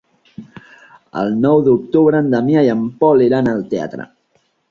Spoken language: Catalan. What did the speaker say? El nou d'octubre en Damià i en Pol iran al teatre.